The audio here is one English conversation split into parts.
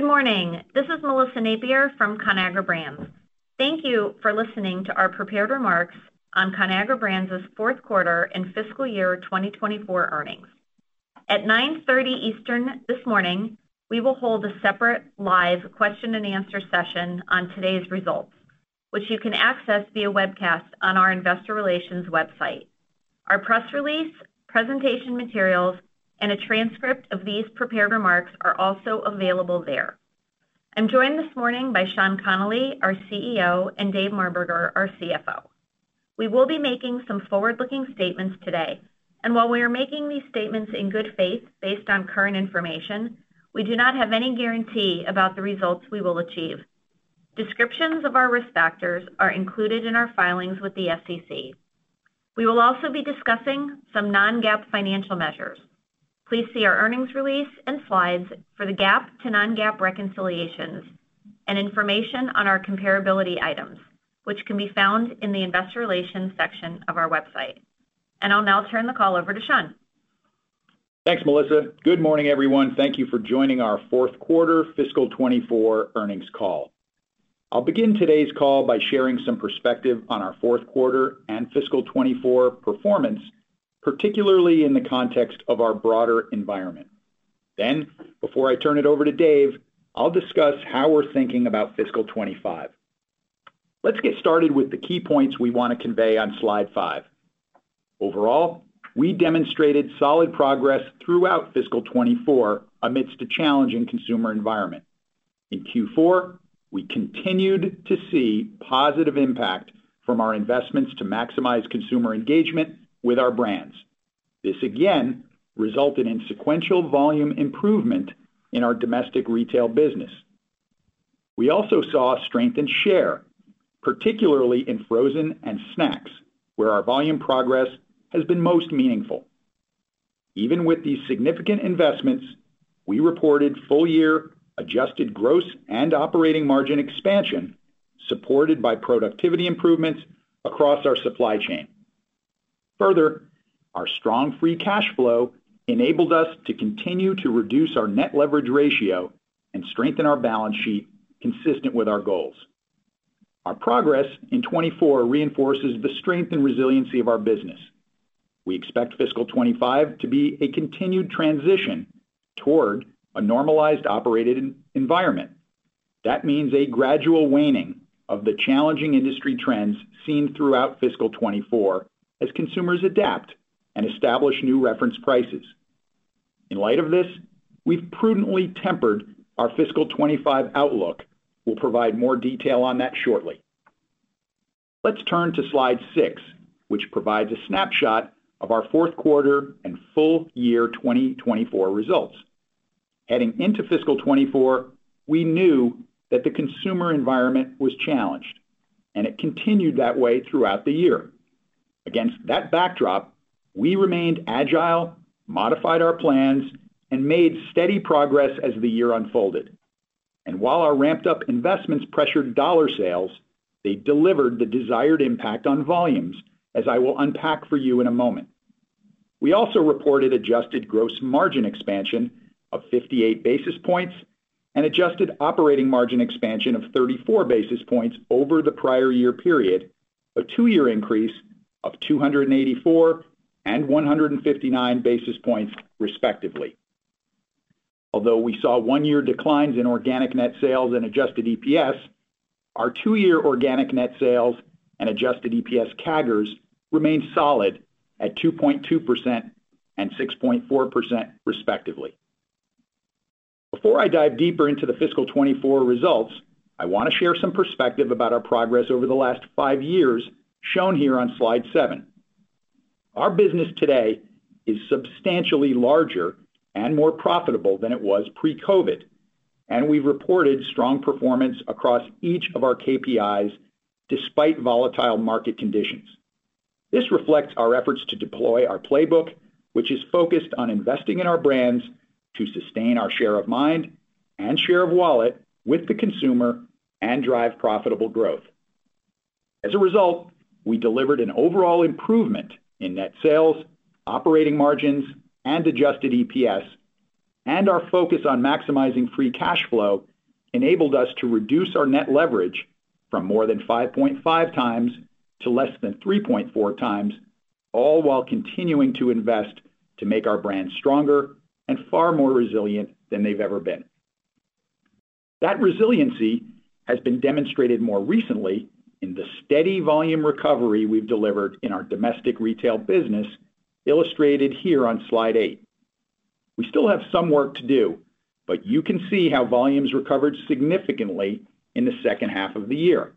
Good morning. This is Melissa Napier from Conagra Brands. Thank you for listening to our prepared remarks on Conagra Brands' Fourth Quarter and Fiscal Year 2024 Earnings. At 9:30 A.M. Eastern this morning, we will hold a separate live question-and-answer session on today's results, which you can access via webcast on our investor relations website. Our press release, presentation materials, and a transcript of these prepared remarks are also available there. I'm joined this morning by Sean Connolly, our CEO, and Dave Marberger, our CFO. We will be making some forward-looking statements today, and while we are making these statements in good faith based on current information, we do not have any guarantee about the results we will achieve. Descriptions of our risk factors are included in our filings with the SEC. We will also be discussing some non-GAAP financial measures. Please see our earnings release and slides for the GAAP to non-GAAP reconciliations and information on our comparability items, which can be found in the investor relations section of our website. I'll now turn the call over to Sean. Thanks, Melissa. Good morning, everyone. Thank you for joining our Fourth Quarter Fiscal 2024 Earnings Call. I'll begin today's call by sharing some perspective on our fourth quarter and fiscal 2024 performance, particularly in the context of our broader environment. Then, before I turn it over to Dave, I'll discuss how we're thinking about fiscal 2025. Let's get started with the key points we want to convey on slide five. Overall, we demonstrated solid progress throughout fiscal 2024 amidst a challenging consumer environment. In Q4, we continued to see positive impact from our investments to maximize consumer engagement with our brands. This again resulted in sequential volume improvement in our domestic retail business. We also saw strengthened share, particularly in frozen and snacks, where our volume progress has been most meaningful. Even with these significant investments, we reported full-year adjusted gross and operating margin expansion supported by productivity improvements across our supply chain. Further, our strong free cash flow enabled us to continue to reduce our net leverage ratio and strengthen our balance sheet consistent with our goals. Our progress in 2024 reinforces the strength and resiliency of our business. We expect fiscal 2025 to be a continued transition toward a normalized operating environment. That means a gradual waning of the challenging industry trends seen throughout fiscal 2024 as consumers adapt and establish new reference prices. In light of this, we've prudently tempered our fiscal 2025 outlook. We'll provide more detail on that shortly. Let's turn to slide 6, which provides a snapshot of our fourth quarter and full-year 2024 results. Heading into fiscal 2024, we knew that the consumer environment was challenged, and it continued that way throughout the year. Against that backdrop, we remained agile, modified our plans, and made steady progress as the year unfolded. And while our ramped-up investments pressured dollar sales, they delivered the desired impact on volumes, as I will unpack for you in a moment. We also reported adjusted gross margin expansion of 58 basis points and adjusted operating margin expansion of 34 basis points over the prior year period, a two-year increase of 284 and 159 basis points, respectively. Although we saw one-year declines in organic net sales and adjusted EPS, our two-year organic net sales and adjusted EPS CAGRs remained solid at 2.2% and 6.4%, respectively. Before I dive deeper into the fiscal 2024 results, I want to share some perspective about our progress over the last five years shown here on slide seven. Our business today is substantially larger and more profitable than it was pre-COVID, and we've reported strong performance across each of our KPIs despite volatile market conditions. This reflects our efforts to deploy our playbook, which is focused on investing in our brands to sustain our share of mind and share of wallet with the consumer and drive profitable growth. As a result, we delivered an overall improvement in net sales, operating margins, and adjusted EPS, and our focus on maximizing free cash flow enabled us to reduce our net leverage from more than 5.5x to less than 3.4x, all while continuing to invest to make our brands stronger and far more resilient than they've ever been. That resiliency has been demonstrated more recently in the steady volume recovery we've delivered in our domestic retail business, illustrated here on slide eight. We still have some work to do, but you can see how volumes recovered significantly in the second half of the year.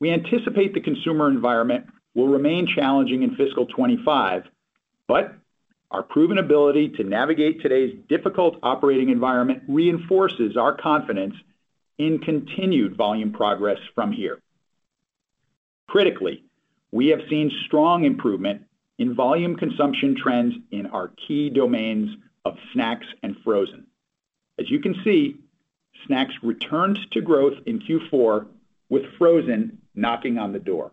We anticipate the consumer environment will remain challenging in fiscal 2025, but our proven ability to navigate today's difficult operating environment reinforces our confidence in continued volume progress from here. Critically, we have seen strong improvement in volume consumption trends in our key domains of snacks and frozen. As you can see, snacks returned to growth in Q4, with frozen knocking on the door.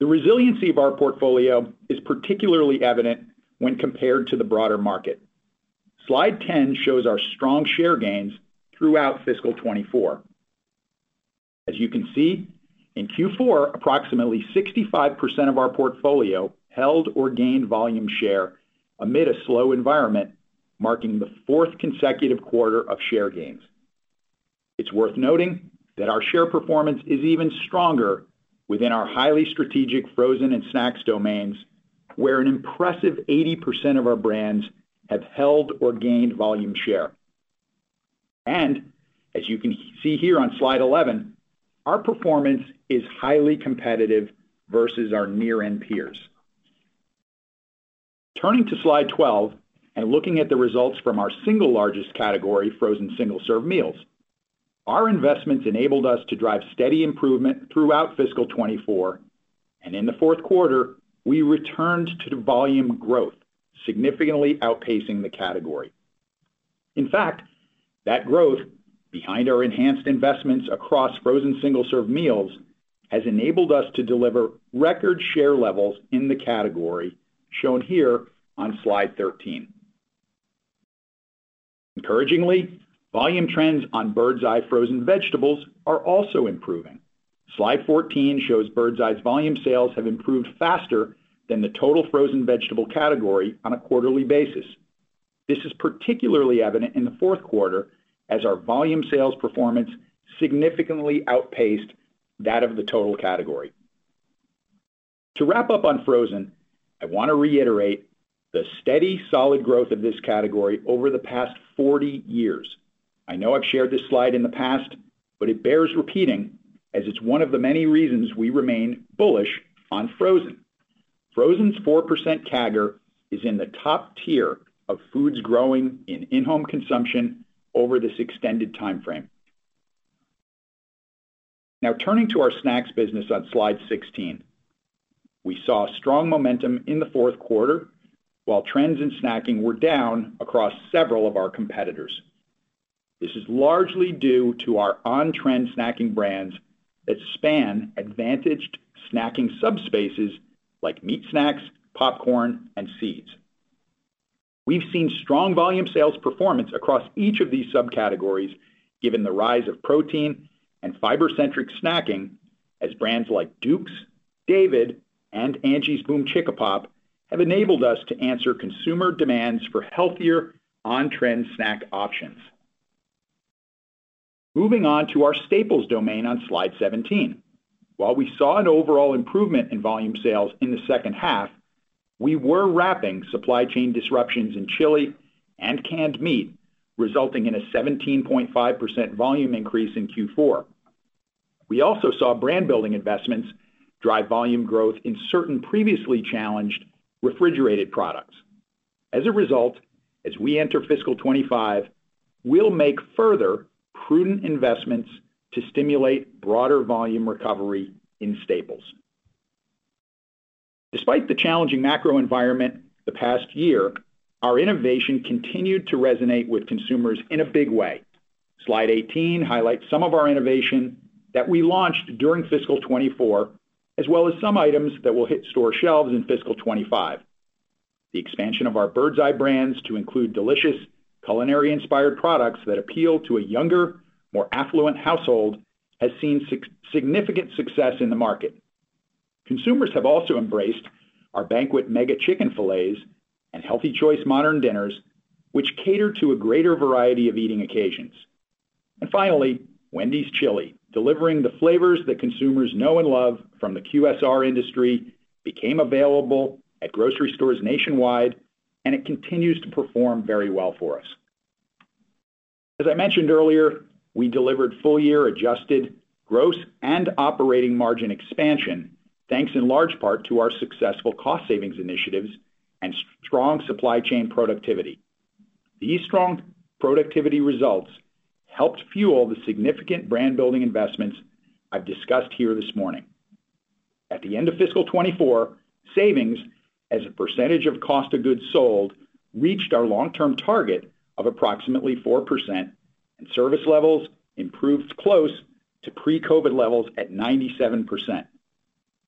The resiliency of our portfolio is particularly evident when compared to the broader market. Slide 10 shows our strong share gains throughout fiscal 2024. As you can see, in Q4, approximately 65% of our portfolio held or gained volume share amid a slow environment, marking the fourth consecutive quarter of share gains. It's worth noting that our share performance is even stronger within our highly strategic frozen and snacks domains, where an impressive 80% of our brands have held or gained volume share. As you can see here on slide 11, our performance is highly competitive versus our near-end peers. Turning to slide 12 and looking at the results from our single largest category, frozen single-serve meals, our investments enabled us to drive steady improvement throughout fiscal 2024, and in the fourth quarter, we returned to volume growth, significantly outpacing the category. In fact, that growth behind our enhanced investments across frozen single-serve meals has enabled us to deliver record share levels in the category shown here on slide 13. Encouragingly, volume trends on Birds Eye frozen vegetables are also improving. Slide 14 shows Birds Eye's volume sales have improved faster than the total frozen vegetable category on a quarterly basis. This is particularly evident in the fourth quarter, as our volume sales performance significantly outpaced that of the total category. To wrap up on frozen, I want to reiterate the steady, solid growth of this category over the past 40 years. I know I've shared this slide in the past, but it bears repeating as it's one of the many reasons we remain bullish on frozen. Frozen's 4% CAGR is in the top tier of foods growing in-home consumption over this extended timeframe. Now, turning to our snacks business on slide 16, we saw strong momentum in the fourth quarter, while trends in snacking were down across several of our competitors. This is largely due to our on-trend snacking brands that span advantaged snacking subspaces like meat snacks, popcorn, and seeds. We've seen strong volume sales performance across each of these subcategories, given the rise of protein and fiber-centric snacking, as brands like Duke's, David, and Angie's BOOMCHICKAPOP have enabled us to answer consumer demands for healthier on-trend snack options. Moving on to our staples domain on slide 17, while we saw an overall improvement in volume sales in the second half, we were wrapping supply chain disruptions in chili and canned meat, resulting in a 17.5% volume increase in Q4. We also saw brand-building investments drive volume growth in certain previously challenged refrigerated products. As a result, as we enter fiscal 2025, we'll make further prudent investments to stimulate broader volume recovery in staples. Despite the challenging macro environment the past year, our innovation continued to resonate with consumers in a big way. Slide 18 highlights some of our innovation that we launched during fiscal 2024, as well as some items that will hit store shelves in fiscal 2025. The expansion of our Birds Eye brands to include delicious culinary-inspired products that appeal to a younger, more affluent household has seen significant success in the market. Consumers have also embraced our Banquet MEGA chicken fillets and Healthy Choice modern dinners, which cater to a greater variety of eating occasions. And finally, Wendy's Chili, delivering the flavors that consumers know and love from the QSR industry, became available at grocery stores nationwide, and it continues to perform very well for us. As I mentioned earlier, we delivered full-year adjusted gross and operating margin expansion, thanks in large part to our successful cost savings initiatives and strong supply chain productivity. These strong productivity results helped fuel the significant brand-building investments I've discussed here this morning. At the end of fiscal 2024, savings as a percentage of cost of goods sold reached our long-term target of approximately 4%, and service levels improved close to pre-COVID levels at 97%.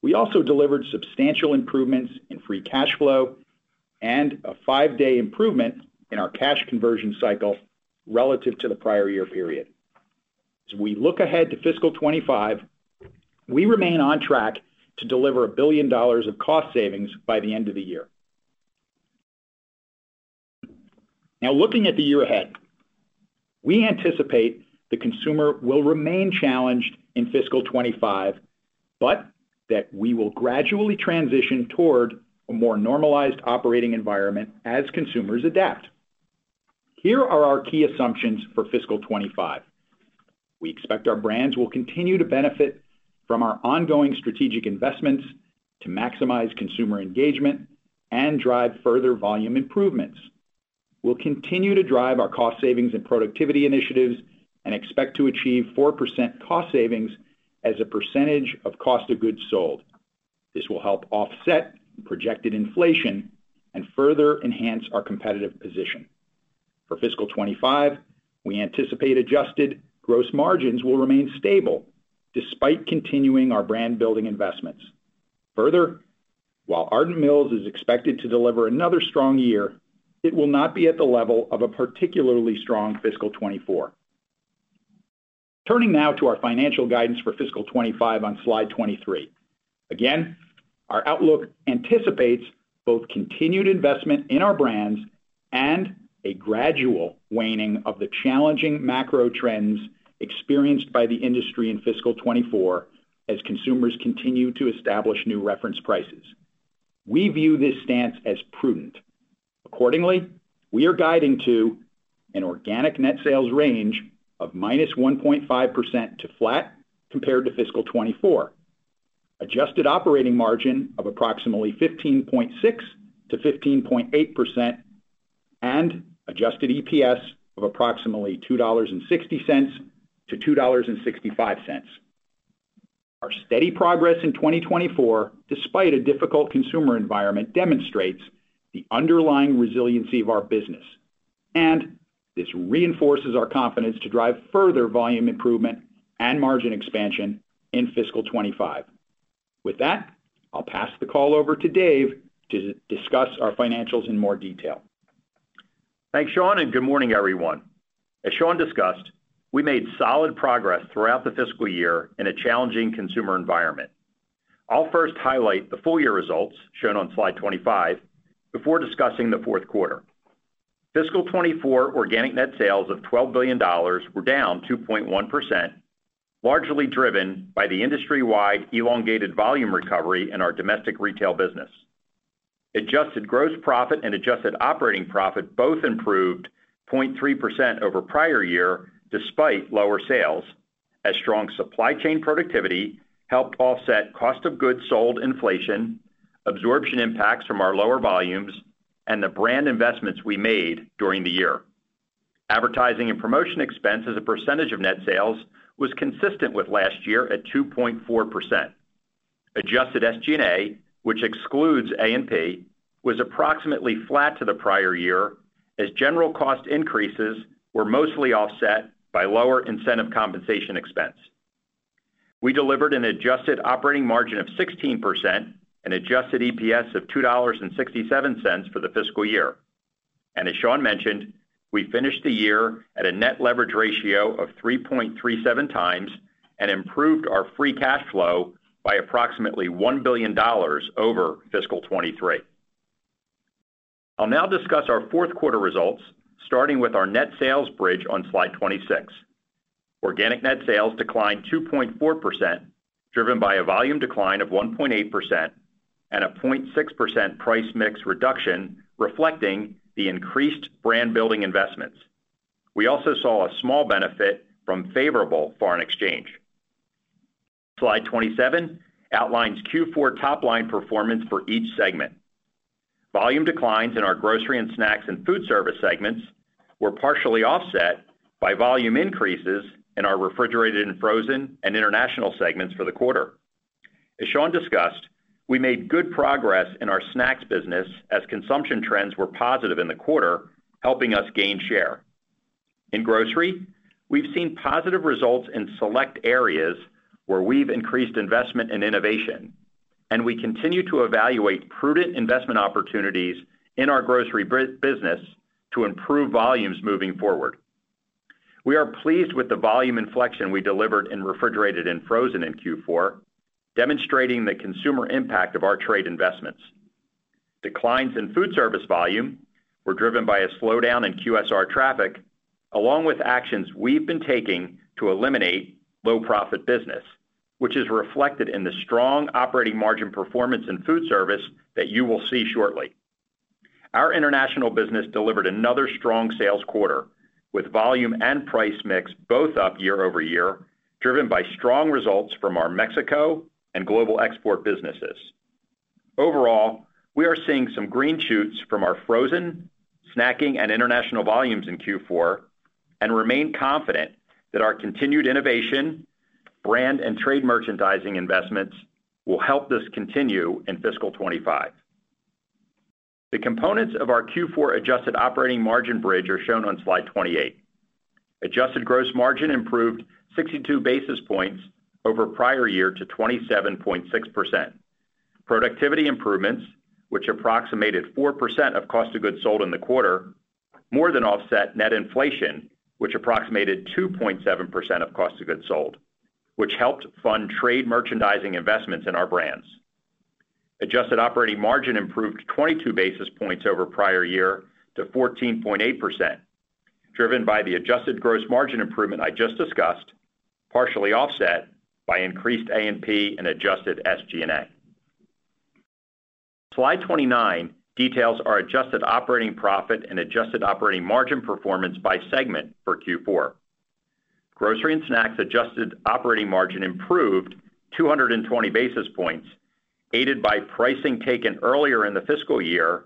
We also delivered substantial improvements in free cash flow and a 5-day improvement in our cash conversion cycle relative to the prior year period. As we look ahead to fiscal 2025, we remain on track to deliver $1 billion of cost savings by the end of the year. Now, looking at the year ahead, we anticipate the consumer will remain challenged in fiscal 2025, but that we will gradually transition toward a more normalized operating environment as consumers adapt. Here are our key assumptions for fiscal 2025. We expect our brands will continue to benefit from our ongoing strategic investments to maximize consumer engagement and drive further volume improvements. We'll continue to drive our cost savings and productivity initiatives and expect to achieve 4% cost savings as a percentage of cost of goods sold. This will help offset projected inflation and further enhance our competitive position. For fiscal 2025, we anticipate adjusted gross margins will remain stable despite continuing our brand-building investments. Further, while Ardent Mills is expected to deliver another strong year, it will not be at the level of a particularly strong fiscal 2024. Turning now to our financial guidance for fiscal 2025 on slide 23. Again, our outlook anticipates both continued investment in our brands and a gradual waning of the challenging macro trends experienced by the industry in fiscal 2024 as consumers continue to establish new reference prices. We view this stance as prudent. Accordingly, we are guiding to an organic net sales range of minus 1.5% to flat compared to fiscal 2024, adjusted operating margin of approximately 15.6%-15.8%, and adjusted EPS of approximately $2.60-$2.65. Our steady progress in 2024, despite a difficult consumer environment, demonstrates the underlying resiliency of our business, and this reinforces our confidence to drive further volume improvement and margin expansion in fiscal 2025. With that, I'll pass the call over to Dave to discuss our financials in more detail. Thanks, Sean, and good morning, everyone. As Sean discussed, we made solid progress throughout the fiscal year in a challenging consumer environment. I'll first highlight the full-year results shown on slide 25 before discussing the fourth quarter. Fiscal 2024 organic net sales of $12 billion were down 2.1%, largely driven by the industry-wide elongated volume recovery in our domestic retail business. Adjusted gross profit and adjusted operating profit both improved 0.3% over prior year despite lower sales, as strong supply chain productivity helped offset cost of goods sold inflation, absorption impacts from our lower volumes, and the brand investments we made during the year. Advertising and promotion expense as a percentage of net sales was consistent with last year at 2.4%. Adjusted SG&A, which excludes A&P, was approximately flat to the prior year, as general cost increases were mostly offset by lower incentive compensation expense. We delivered an adjusted operating margin of 16%, an adjusted EPS of $2.67 for the fiscal year. And as Sean mentioned, we finished the year at a net leverage ratio of 3.37 times and improved our free cash flow by approximately $1 billion over fiscal 2023. I'll now discuss our fourth quarter results, starting with our net sales bridge on slide 26. Organic net sales declined 2.4%, driven by a volume decline of 1.8% and a 0.6% price mix reduction reflecting the increased brand-building investments. We also saw a small benefit from favorable foreign exchange. Slide 27 outlines Q4 top-line performance for each segment. Volume declines in our grocery and snacks and food service segments were partially offset by volume increases in our refrigerated and frozen and international segments for the quarter. As Sean discussed, we made good progress in our snacks business as consumption trends were positive in the quarter, helping us gain share. In grocery, we've seen positive results in select areas where we've increased investment and innovation, and we continue to evaluate prudent investment opportunities in our grocery business to improve volumes moving forward. We are pleased with the volume inflection we delivered in refrigerated and frozen in Q4, demonstrating the consumer impact of our trade investments. Declines in food service volume were driven by a slowdown in QSR traffic, along with actions we've been taking to eliminate low-profit business, which is reflected in the strong operating margin performance in food service that you will see shortly. Our international business delivered another strong sales quarter, with volume and price mix both up year-over-year, driven by strong results from our Mexico and global export businesses. Overall, we are seeing some green shoots from our frozen, snacking, and international volumes in Q4 and remain confident that our continued innovation, brand, and trade merchandising investments will help this continue in fiscal 2025. The components of our Q4 adjusted operating margin bridge are shown on slide 28. Adjusted gross margin improved 62 basis points over prior year to 27.6%. Productivity improvements, which approximated 4% of cost of goods sold in the quarter, more than offset net inflation, which approximated 2.7% of cost of goods sold, which helped fund trade merchandising investments in our brands. Adjusted operating margin improved 22 basis points over prior year to 14.8%, driven by the adjusted gross margin improvement I just discussed, partially offset by increased A&P and adjusted SG&A. Slide 29 details our adjusted operating profit and adjusted operating margin performance by segment for Q4. Grocery and snacks adjusted operating margin improved 220 basis points, aided by pricing taken earlier in the fiscal year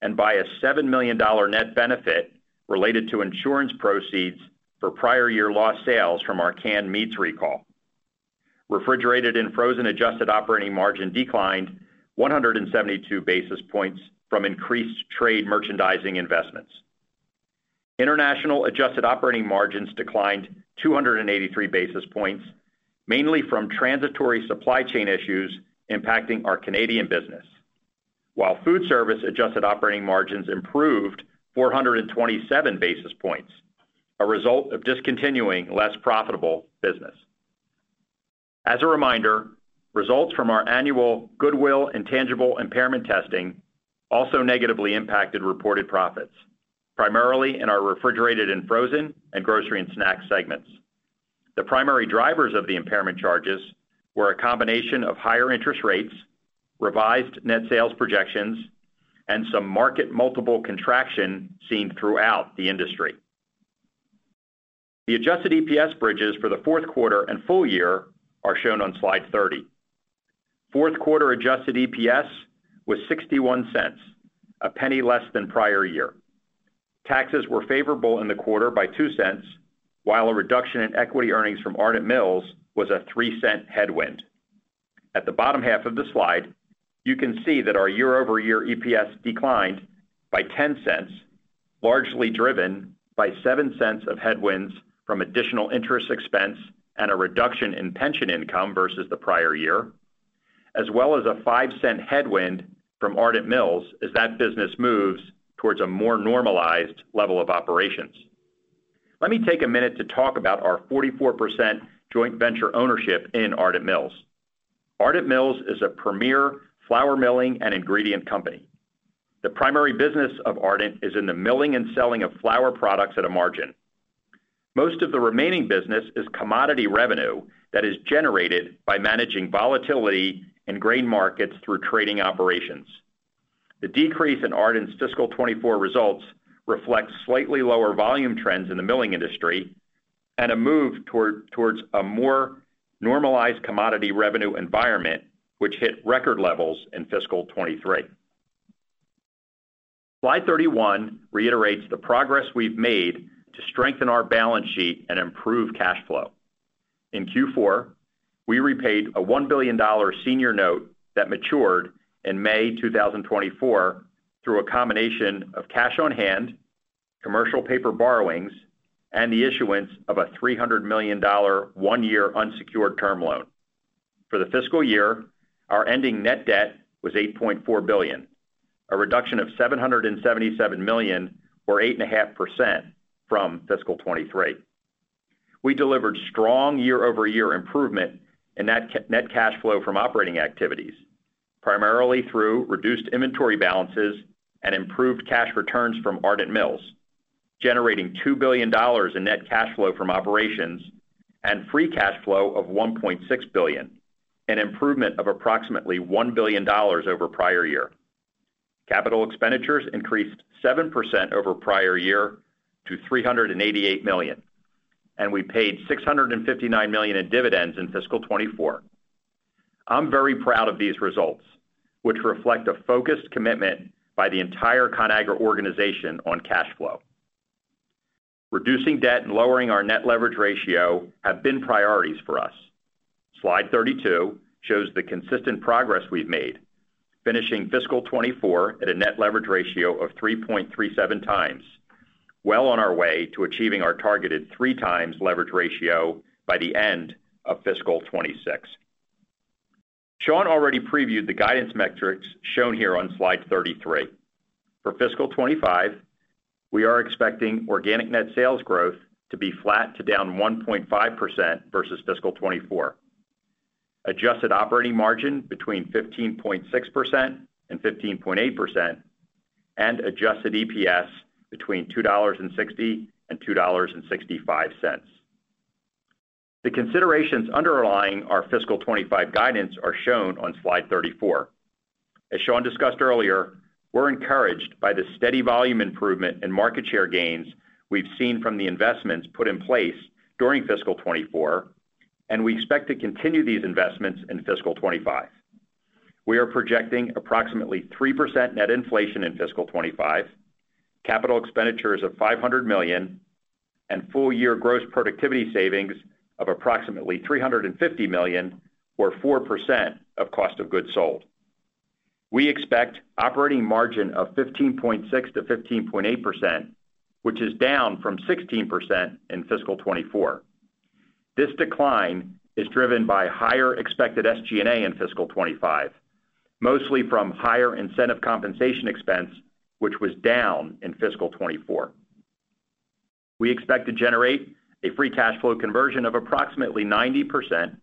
and by a $7 million net benefit related to insurance proceeds for prior year lost sales from our canned meats recall. Refrigerated and frozen adjusted operating margin declined 172 basis points from increased trade merchandising investments. International adjusted operating margins declined 283 basis points, mainly from transitory supply chain issues impacting our Canadian business, while food service adjusted operating margins improved 427 basis points, a result of discontinuing less profitable business. As a reminder, results from our annual Goodwill and Intangible Impairment Testing also negatively impacted reported profits, primarily in our refrigerated and frozen and grocery and snacks segments. The primary drivers of the impairment charges were a combination of higher interest rates, revised net sales projections, and some market multiple contraction seen throughout the industry. The adjusted EPS bridges for the fourth quarter and full year are shown on slide 30. Fourth quarter adjusted EPS was $0.61, $0.01 less than prior year. Taxes were favorable in the quarter by $0.02, while a reduction in equity earnings from Ardent Mills was a $0.03 headwind. At the bottom half of the slide, you can see that our year-over-year EPS declined by $0.10, largely driven by $0.07 of headwinds from additional interest expense and a reduction in pension income versus the prior year, as well as a $0.05 headwind from Ardent Mills as that business moves towards a more normalized level of operations. Let me take a minute to talk about our 44% joint venture ownership in Ardent Mills. Ardent Mills is a premier flour milling and ingredient company. The primary business of Ardent is in the milling and selling of flour products at a margin. Most of the remaining business is commodity revenue that is generated by managing volatility in grain markets through trading operations. The decrease in Ardent's fiscal 2024 results reflects slightly lower volume trends in the milling industry and a move towards a more normalized commodity revenue environment, which hit record levels in fiscal 2023. Slide 31 reiterates the progress we've made to strengthen our balance sheet and improve cash flow. In Q4, we repaid a $1 billion senior note that matured in May 2024 through a combination of cash on hand, commercial paper borrowings, and the issuance of a $300 million one-year unsecured term loan. For the fiscal year, our ending net debt was $8.4 billion, a reduction of $777 million, or 8.5%, from fiscal 2023. We delivered strong year-over-year improvement in net cash flow from operating activities, primarily through reduced inventory balances and improved cash returns from Ardent Mills, generating $2 billion in net cash flow from operations and free cash flow of $1.6 billion, an improvement of approximately $1 billion over prior year. Capital expenditures increased 7% over prior year to $388 million, and we paid $659 million in dividends in fiscal 2024. I'm very proud of these results, which reflect a focused commitment by the entire Conagra organization on cash flow. Reducing debt and lowering our net leverage ratio have been priorities for us. Slide 32 shows the consistent progress we've made, finishing fiscal 2024 at a net leverage ratio of 3.37 times, well on our way to achieving our targeted 3x leverage ratio by the end of fiscal 2026. Sean already previewed the guidance metrics shown here on slide 33. For fiscal 2025, we are expecting organic net sales growth to be flat to down 1.5% versus fiscal 2024, adjusted operating margin between 15.6% and 15.8%, and adjusted EPS between $2.60-$2.65. The considerations underlying our fiscal 2025 guidance are shown on slide 34. As Sean discussed earlier, we're encouraged by the steady volume improvement in market share gains we've seen from the investments put in place during fiscal 2024, and we expect to continue these investments in fiscal 2025. We are projecting approximately 3% net inflation in fiscal 2025, capital expenditures of $500 million, and full-year gross productivity savings of approximately $350 million, or 4% of cost of goods sold. We expect operating margin of 15.6%-15.8%, which is down from 16% in fiscal 2024. This decline is driven by higher expected SG&A in fiscal 2025, mostly from higher incentive compensation expense, which was down in fiscal 2024. We expect to generate a free cash flow conversion of approximately 90%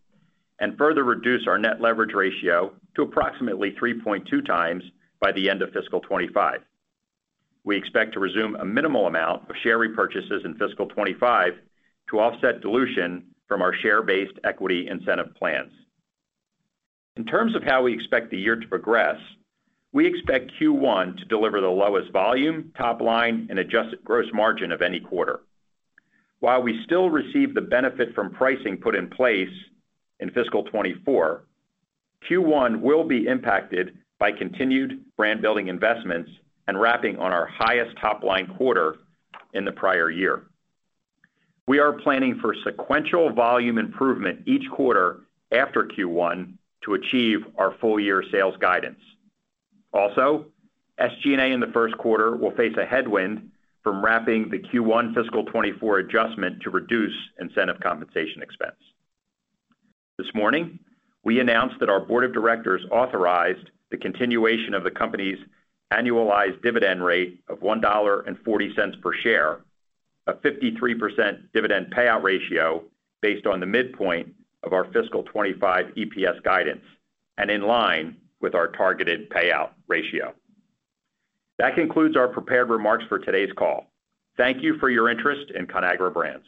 and further reduce our net leverage ratio to approximately 3.2 times by the end of fiscal 2025. We expect to resume a minimal amount of share repurchases in fiscal 2025 to offset dilution from our share-based equity incentive plans. In terms of how we expect the year to progress, we expect Q1 to deliver the lowest volume, top-line, and adjusted gross margin of any quarter. While we still receive the benefit from pricing put in place in fiscal 2024, Q1 will be impacted by continued brand-building investments and wrapping on our highest top-line quarter in the prior year. We are planning for sequential volume improvement each quarter after Q1 to achieve our full-year sales guidance. Also, SG&A in the first quarter will face a headwind from wrapping the Q1 fiscal 2024 adjustment to reduce incentive compensation expense. This morning, we announced that our board of directors authorized the continuation of the company's annualized dividend rate of $1.40 per share, a 53% dividend payout ratio based on the midpoint of our fiscal 2025 EPS guidance and in line with our targeted payout ratio. That concludes our prepared remarks for today's call. Thank you for your interest in Conagra Brands.